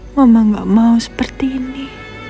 mama gak mau seperti ini